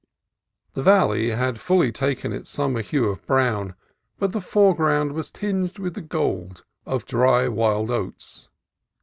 The valley had fully taken its summer hue of brown, but the foreground was tinged with the gold of dry wild oats.